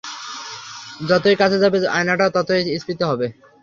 যতোই কাছে যাবে, আয়নাটা ততোই স্ফীত হবে!